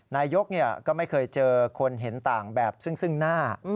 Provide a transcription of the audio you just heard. นายกก็ไม่เคยเจอคนเห็นต่างแบบซึ่งหน้า